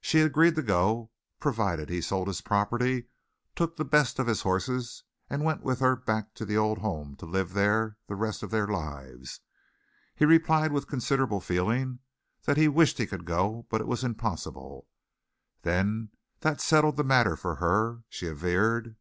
She agreed to go, provided he sold his property, took the best of his horses and went with her back to the old home to live there the rest of their lives. He replied with considerable feeling that he wished he could go, but it was impossible. Then that settled the matter for her, she averred.